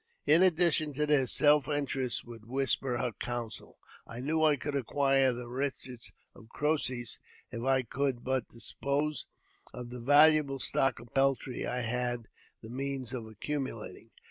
i In addition to this, Self interest would whisper her counseL I knew I could acquire the riches of Croesus if I could but , dispose of the valuable stock of peltry I had the means of I accumulating.